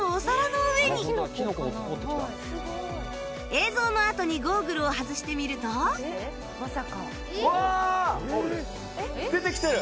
映像のあとにゴーグルを外してみると出てきてる！